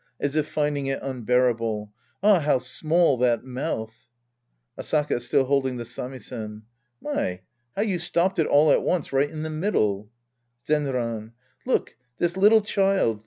{As if finding it unbearable!) Ah, how small that mouth ! Asaka {still holding the samisen). My, how you stopped it all at once right in the middle ! Zenran. Look. This little child.